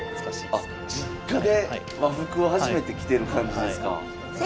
あ実家で和服を初めて着てる感じですか。